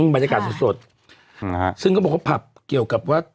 เพราะแต่ของภัพย์เกี่ยวกับว่า